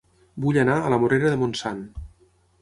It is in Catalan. Vull anar a La Morera de Montsant